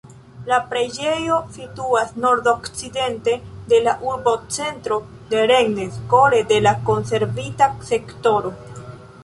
La preĝejo situas nordokcidente de la urbocentro de Rennes, kore de la konservita sektoro.